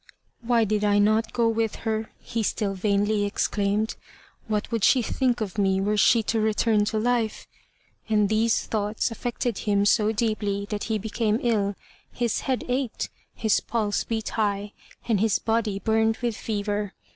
"Why did I not go with her?" he still vainly exclaimed. "What would she think of me were she to return to life?" And these thoughts affected him so deeply that he became ill, his head ached, his pulse beat high, and his body burned with fever.